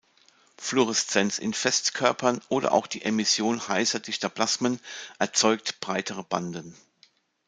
Fluoreszenz in Festkörpern oder auch die Emission heißer dichter Plasmen erzeugt breitere Banden.